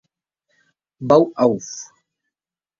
Bau Auf!